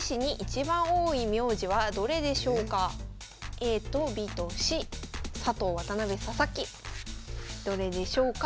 ＡとＢとＣ佐藤渡辺佐々木どれでしょうか？